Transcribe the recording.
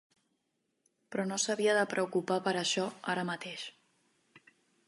Però no s'havia de preocupar per això ara mateix.